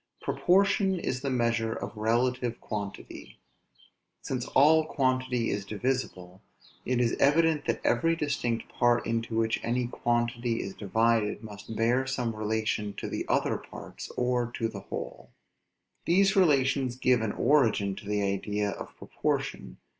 Proportion is the measure of relative quantity. Since all quantity is divisible, it is evident that every distinct part into which any quantity is divided must bear some relation to the other parts, or to the whole. These relations give an origin to the idea of proportion.